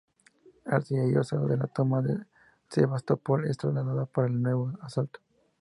La artillería usada en la toma de Sebastopol es trasladada para el nuevo asalto.